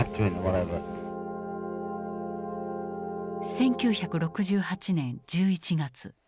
１９６８年１１月。